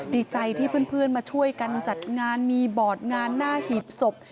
ดีใจที่เพื่อนมาช่วยกันจัดงานมีบอร์ดงานหน้าหีบศพ